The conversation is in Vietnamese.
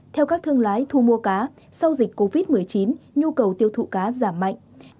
theo các thương lái thu mua cá sau dịch covid một mươi chín nhu cầu tiêu thụ cá giảm mạnh